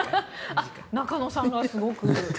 中野さんはすごく。